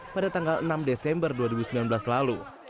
pada tanggal enam desember dua ribu sembilan belas lalu